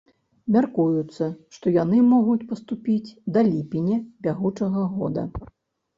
Мяркуецца, што яны могуць паступіць да ліпеня бягучага года.